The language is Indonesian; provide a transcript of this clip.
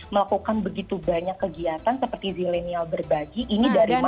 melakukan begitu banyak kegiatan seperti zilenial berbagi ini dari mana